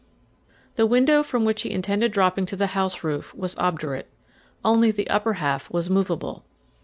The window from which he intended dropping to the house roof was obdurate. Only the upper half was movable.